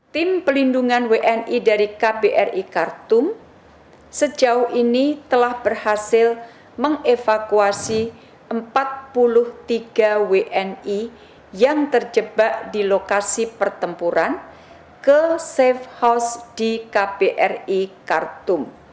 tim pelindungan wni dari kbri khartum sejauh ini telah berhasil mengevakuasi empat puluh tiga wni yang terjebak di lokasi pertempuran ke safe house di kbri khartum